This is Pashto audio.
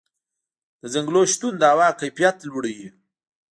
د ځنګلونو شتون د هوا کیفیت لوړوي.